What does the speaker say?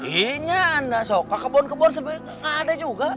ini anda suka kebun kebun tapi gak ada juga